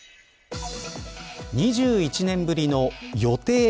２１年ぶりの予定